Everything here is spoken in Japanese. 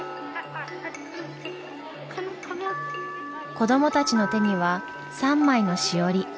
子どもたちの手には３枚のしおり。